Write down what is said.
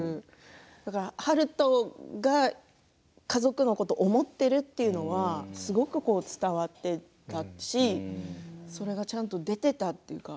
だから悠人が家族のことを思っているというのはすごく伝わっているしそれがちゃんと出ていたというか。